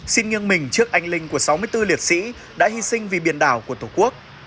xin nghiêng mình trước anh linh của sáu mươi bốn liệt sĩ đã hy sinh vì biển đảo của tổ quốc